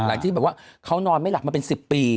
ที่แบบว่าเขานอนไม่หลับมาเป็น๑๐ปี